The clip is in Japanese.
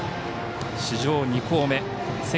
史上２校目。